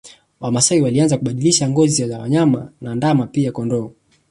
Wamasai walianza kubadilisha ngozi ya wanyama na ndama pia kondoo